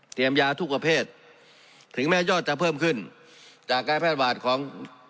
ยาทุกประเภทถึงแม้ยอดจะเพิ่มขึ้นจากการแพร่ระบาดของ